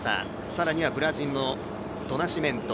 更にブラジルのドナシメント